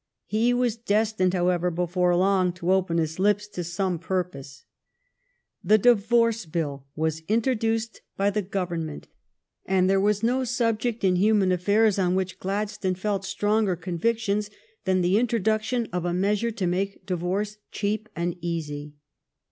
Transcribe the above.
He was destined, however, before long to open his lips to some purpose. The Divorce Bill was introduced by the Government, and there was no subject in human affairs on which Gladstone felt stronger convictions than the introduction of a measure to make divorce cheap and easy.